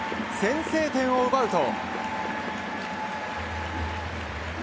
先制点を奪うと。